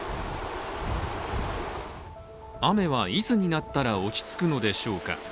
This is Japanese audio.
雨は、いつになったら落ち着くのでしょうか。